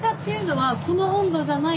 はい。